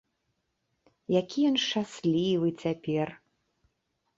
Які ён шчаслівы цяпер!